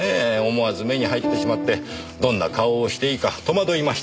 思わず目に入ってしまってどんな顔をしていいか戸惑いました。